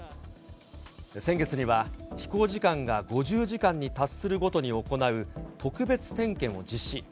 先月には、飛行時間が５０時間に達するごとに行う特別点検を実施。